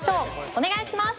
お願いします！